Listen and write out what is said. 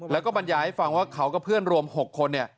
แล้วก็บรรยายให้ฟังว่าเขากับเพื่อนรวม๖คน